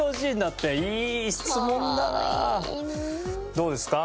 どうですか？